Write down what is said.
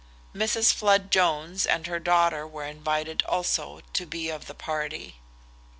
Mrs. Flood Jones and her daughter were invited also to be of the party.